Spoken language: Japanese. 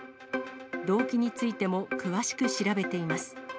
動機についても詳しく調べています。